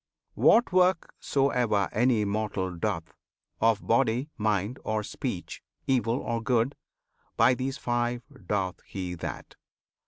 What work soever any mortal doth Of body, mind, or speech, evil or good, By these five doth he that.